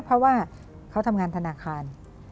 เพราะว่าเขาทำงานธนาคาร